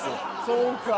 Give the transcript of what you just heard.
そうか。